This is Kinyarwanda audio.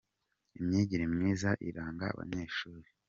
Imyigire myiza iranga abanyeshuri.